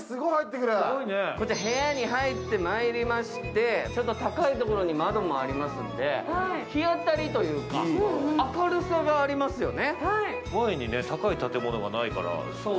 部屋に入ってまいりまして、高いところに窓もありますんで日当たりというか明るさがありますよね。